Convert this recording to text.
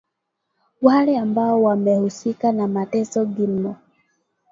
wale ambao wamehusika na mateso Gilmore